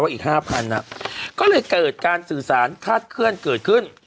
อีก๕๐๐ก็เลยเกิดการสื่อสารคาดเคลื่อนเกิดขึ้น